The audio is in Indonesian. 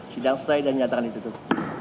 sidang setelah ini nyatakan ditutup